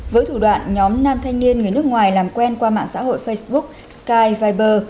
với thủ đoạn nhóm nam thanh niên người nước ngoài làm quen qua mạng xã hội facebook sky viber